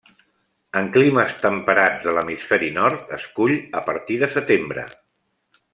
En climes temperats de l'hemisferi nord, es cull a partir de setembre.